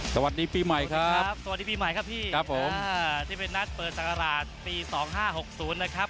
สวัสดีปีใหม่ครับสวัสดีปีใหม่ครับพี่ครับผมที่เป็นนัดเปิดศักราชปีสองห้าหกศูนย์นะครับ